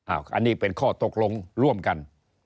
อันนี้เป็นข้อตกลงร่วมกัน